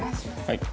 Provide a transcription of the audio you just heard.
はい。